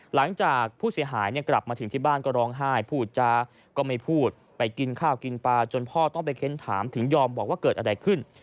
หลังจากผู้เสียหายกลับมาถึงที่บ้านก็ร้องไห้พูดจาก็ไม่พูดไปกินข้าวกินปลาจนพ่อต้องไปเค้นถามถึงยอมบอกว่าเกิดอะไรขึ้น